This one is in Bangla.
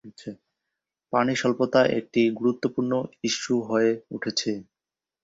পানি স্বল্পতা একটি গুরুত্বপূর্ণ ইস্যু হয়ে উঠছে।